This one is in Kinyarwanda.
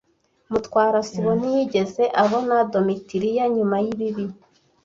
Mutwara sibo ntiyigeze abona Domitira nyuma yibi.